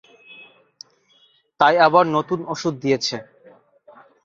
তাই আবার নতুন ওষুধ দিয়েছে।